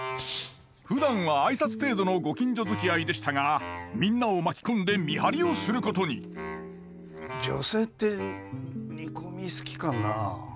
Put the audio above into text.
ふだんは挨拶程度のご近所づきあいでしたがみんなを巻き込んで見張りをすることに女性って煮込み好きかなあ。